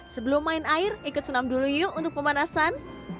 sebelum main air ikut senam dulu yuk untuk pemanasan